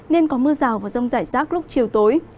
nên có mưa rào và rông rải rác lúc chiều tối